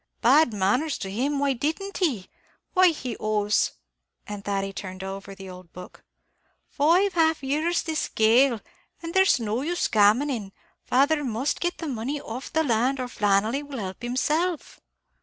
"Bad manners to him, and why didn't he? why he owes" (and Thady turned over the old book) "five half years this gale, and there's no use gammoning; father must get the money off the land, or Flannelly will help himself."